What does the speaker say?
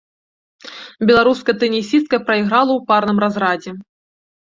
Беларуская тэнісістка прайграла ў парным разрадзе.